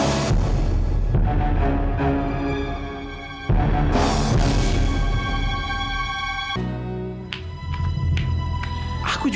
aku merasa kalau